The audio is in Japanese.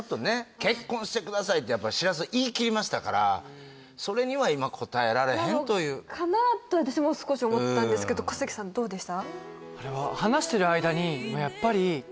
「結婚してください！」ってやっぱりしらす言い切りましたからそれには今応えられへんというかなと私も少し思ったんですけど小関さんどうでした？